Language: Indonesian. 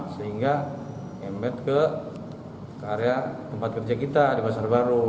sehingga embet ke area tempat kerja kita di pasar baru